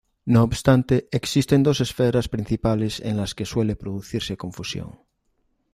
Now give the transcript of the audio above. No obstante, existen dos esferas principales en las que suele producirse confusión.